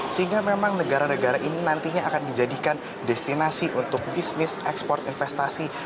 sehingga memang negara negara ini nantinya akan dijadikan destinasi untuk bisnis ekspor investasi